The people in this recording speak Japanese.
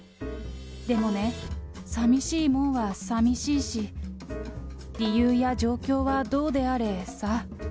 でもね、さみしいもんはさみしいし、理由や状況はどうであれ、さ。